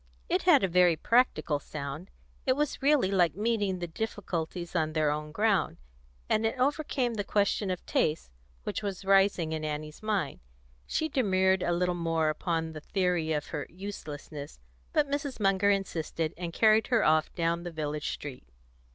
It had a very practical sound; it was really like meeting the difficulties on their own ground, and it overcame the question of taste which was rising in Annie's mind. She demurred a little more upon the theory of her uselessness; but Mrs. Munger insisted, and carried her off down the village street.